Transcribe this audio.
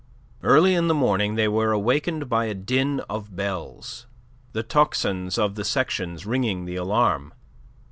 Early in the morning they were awakened by a din of bells the tocsins of the sections ringing the alarm.